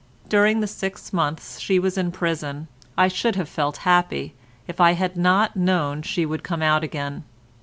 During the six months she was in prison I should have felt happy if I had not known she would come out again.